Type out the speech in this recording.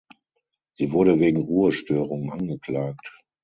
Sie wurde wegen Ruhestörung angeklagt.